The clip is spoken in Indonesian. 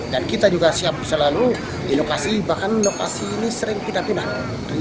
dan kita juga siap selalu di lokasi bahkan lokasi ini sering pindah pindah